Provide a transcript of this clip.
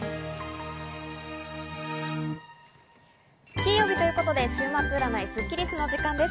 金曜日ということで週末占いスッキりすの時間です。